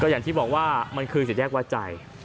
อย่างที่บอกว่ามันคือสี่แยกวัดใจ